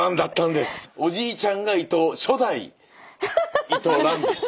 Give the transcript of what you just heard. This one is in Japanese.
おじいちゃんが初代伊藤蘭でした。